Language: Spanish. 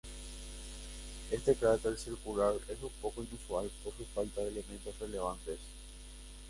Este cráter circular es un poco inusual por su falta de elementos relevantes.